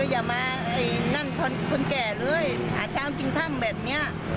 อย่ามาเอ๋ยนั่งธน๑๐๐๐ชั่วมันแบบนี้